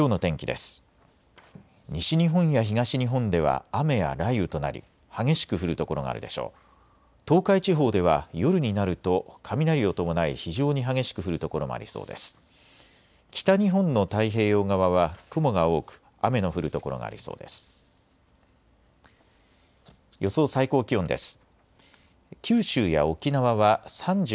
北日本の太平洋側は雲が多く雨の降る所がありそうです。